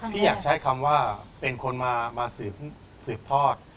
พี่อยากใช้คำว่าเป็นคนมาสืบทอด